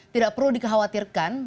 tidak perlu dikhawatirkan